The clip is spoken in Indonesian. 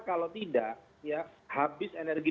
kalau tidak habis energi